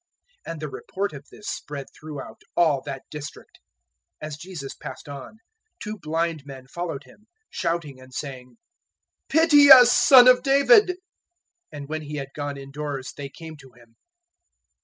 009:026 And the report of this spread throughout all that district. 009:027 As Jesus passed on, two blind men followed Him, shouting and saying, "Pity us, Son of David." 009:028 And when He had gone indoors, they came to Him.